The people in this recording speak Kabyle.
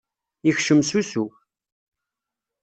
Yekcem s usu.